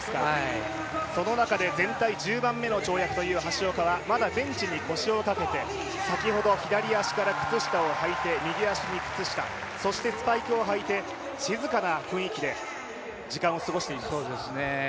その中で全体１０番目の跳躍という橋岡はベンチに腰を掛けて先ほど、左足から靴下を履いて、右足に靴下、そしてスパイクをはいて、静かな雰囲気で時間を過ごしています。